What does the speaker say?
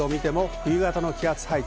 冬型の気圧配置